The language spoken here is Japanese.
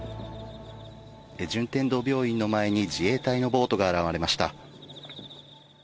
順天堂病院の前に自衛隊のボートが現れました。